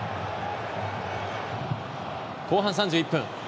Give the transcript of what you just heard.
後半３１分。